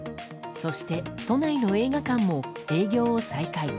そして、都内の映画館も営業を再開。